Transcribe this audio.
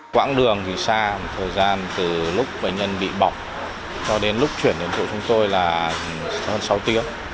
quãng đường thì xa một thời gian từ lúc bệnh nhân bị bỏng cho đến lúc chuyển đến chỗ chúng tôi là hơn sáu tiếng